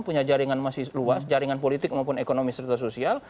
punya jaringan masih luas jaringan politik maupun ekonomi serta sosial